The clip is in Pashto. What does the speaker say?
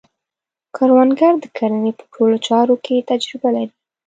کروندګر د کرنې په ټولو چارو کې تجربه لري